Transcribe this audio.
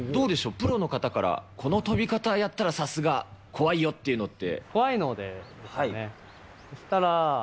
プロの方から、この飛び方、やったらさすが怖いよっていうのって。